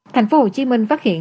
thành phố hồ chí minh phát hiện